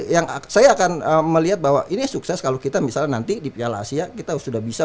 yang saya akan melihat bahwa ini sukses kalau kita misalnya nanti di piala asia kita sudah bisa